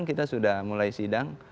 kita sudah mulai sidang